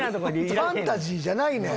ファンタジーじゃないねん。